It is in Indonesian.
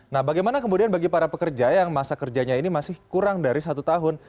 nah bagaimana kemudian bagi para pekerja yang masa kerjanya ini masih kurang dari satu tahun